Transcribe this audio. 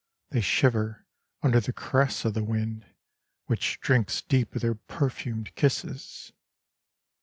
They shiver under the caress of the wind Which drinks deep of their perfumed kisses.